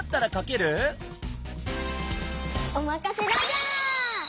おまかせラジャー！